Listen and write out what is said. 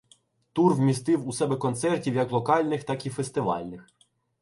Тур вмістив у себе концертів як локальних, так і фестивальних.